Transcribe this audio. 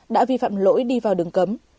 đã vi phạm lỗi đi vào đường cấm